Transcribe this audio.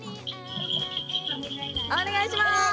お願いします。